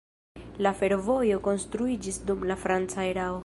La fervojo konstruiĝis dum la franca erao.